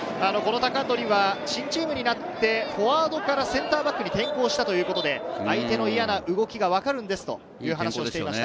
鷹取は新チームになって、フォワードからセンターバックに転向したということで、相手の嫌な動きが分かるんですという話をしていました。